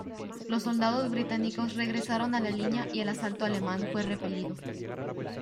Los soldados británicos regresaron a la línea y el asalto alemán fue repelido.